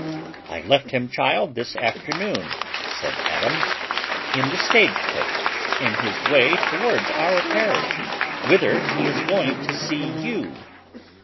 "I left him, child, this afternoon," said Adams, "in the stage coach, in his way towards our parish, whither he is going to see you."